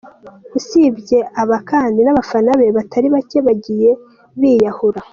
Usibye aba kandi, n’abafana be batari bake bagiye biyahura.